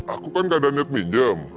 aku kan gak ada niat pinjam